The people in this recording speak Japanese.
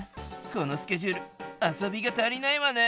このスケジュール遊びが足りないわね。